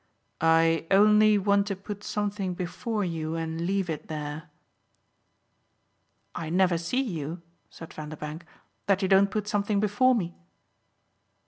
I only want to put something before you and leave it there." "I never see you," said Vanderbank, "that you don't put something before me."